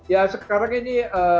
ya sekarang ini